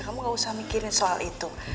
kamu gak usah mikirin soal itu